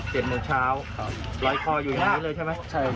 เจ็ดโมงเช้ารอยคออยู่อย่างนี้เลยใช่ไหม